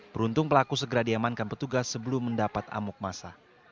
beruntung pelaku segera diamankan petugas sebelum mendapat amuk masa